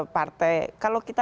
partai kalau kita